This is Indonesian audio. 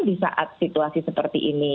di saat situasi seperti ini